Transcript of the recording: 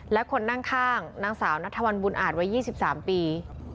และคนนั่งข้างนางสาวนัทวันบุญอาจวัย๒๓ปี